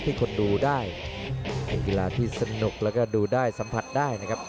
คนดูได้เป็นกีฬาที่สนุกแล้วก็ดูได้สัมผัสได้นะครับ